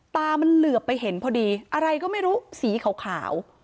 ตามันเหลือไปเห็นพอดีอะไรก็ไม่รู้สีขาว